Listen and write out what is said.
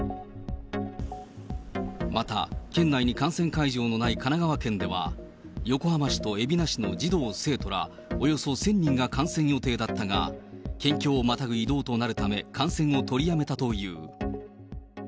また、県内に観戦会場のない神奈川県では、横浜市と海老名市の児童・生徒らおよそ１０００人が観戦予定だったが、県境をまたぐ移動となるため、観戦を取りやめたという。